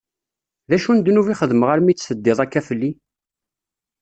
D acu n ddnub i xedmeɣ armi i tt-teddiḍ akka fell-i?